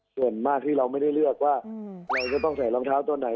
ส่วนมากที่เราไม่ได้เลือกว่าเราจะต้องใส่รองเท้าต้นไหน